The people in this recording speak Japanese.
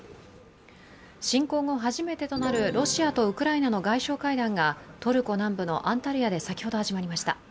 侵攻後初めてとなるロシアとウクライナの外相会談がトルコ南部のアンタルヤで先ほど始まりました。